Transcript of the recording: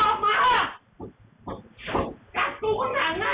ถ้าว้ารู้ดีกว่า